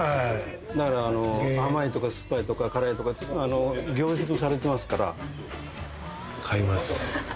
だから甘いとか酸っぱいとか辛いとか凝縮されてますから。